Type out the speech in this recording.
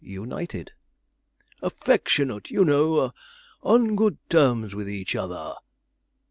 "United?" "Affectionate, you know, on good terms with each other."